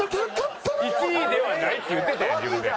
１位ではないって言ってたやん